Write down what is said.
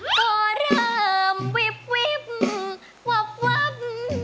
ก็เริ่มวิบวิบวับ